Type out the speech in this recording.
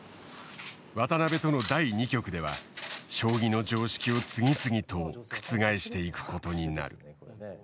渡辺との第２局では将棋の常識を次々と覆していくことになる。